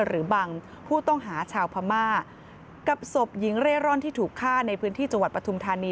หรือบังผู้ต้องหาชาวพม่ากับศพหญิงเร่ร่อนที่ถูกฆ่าในพื้นที่จังหวัดปฐุมธานี